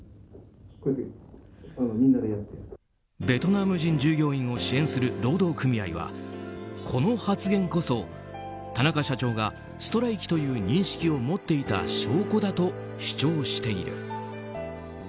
ベトナム人従業員を支援する労働組合はこの発言こそ、田中社長がストライキという認識を持っていた証拠だと主張している。